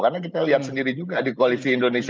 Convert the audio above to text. karena kita lihat sendiri juga di koalisi indonesia